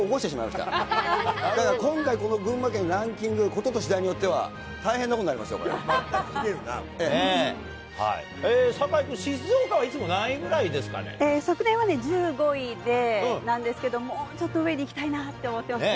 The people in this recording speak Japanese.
だから今回、この群馬県、ランキングで、事としだいによっては、大変なことになりますよ、これは。酒井君、静岡はいつも何位ぐ昨年はね、１５位なんですけれども、ちょっと上に行きたいなと思ってますね。